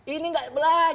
ini gak belajar